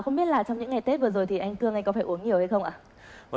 không biết là trong những ngày tết vừa rồi thì anh cương anh có phải uống nhiều hay không ạ